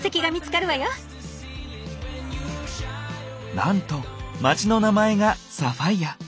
なんと町の名前がサファイア。